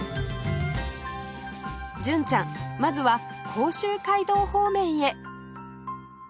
純ちゃんまずは甲州街道方面へ